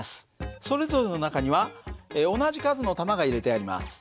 それぞれの中には同じ数の玉が入れてあります。